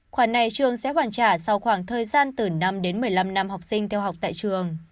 khoản này trường sẽ hoàn trả sau khoảng thời gian từ năm đến một mươi năm năm học sinh theo học tại trường